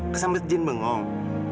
kesambet jen bengong